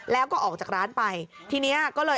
แล้วก็ออกจากร้านไปทีนี้ก็เลย